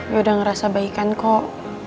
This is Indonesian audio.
gue udah ngerasa baik kan kok